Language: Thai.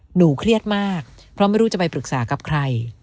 หนูเครียดมากเพราะไม่รู้จะไปปรึกษากับใคร